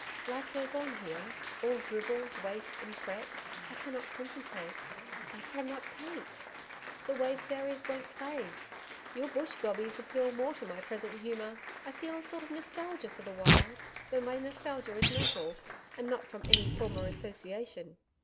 Life goes on here, all dribble, waste and fret I cannot concentrate, I cannot paint the Wave fairies won't play Your Bush gobies appeal more to my present humour. I feel a sort of nostalgia for the wild though my nostalgia is mental, and not from any former association.